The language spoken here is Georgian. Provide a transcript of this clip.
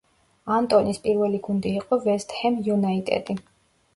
ანტონის პირველი გუნდი იყო „ვესტ ჰემ იუნაიტედი“.